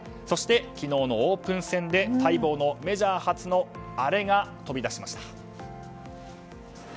そして、昨日のオープン戦で待望のメジャー初のあれが飛び出しました。